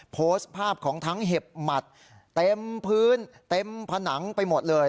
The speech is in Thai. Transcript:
โพสต์ภาพของทั้งเห็บหมัดเต็มพื้นเต็มผนังไปหมดเลย